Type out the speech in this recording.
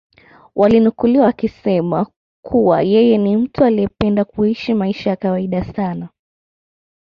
walinukuliwa wakisema kuwa yeye ni mtu aliyependa kuishi maisha ya kawaida sana